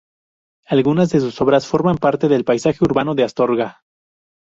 Algunas de sus obras forman parte del paisaje urbano de Astorga.